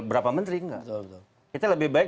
berapa menteri enggak kita lebih baik